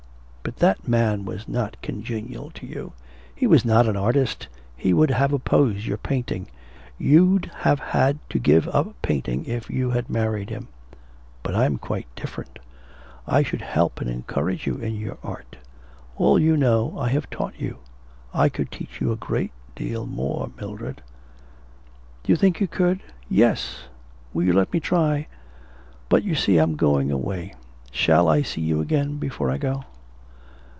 'But that man was not congenial to you. He was not an artist, he would have opposed your painting; you'd have had to give up painting if you had married him. But I'm quite different. I should help and encourage you in your art. All you know I have taught you. I could teach you a great deal more. Mildred ' 'Do you think that you could?' 'Yes; will you let me try?' 'But, you see, I'm going away. Shall I see you again before I go?'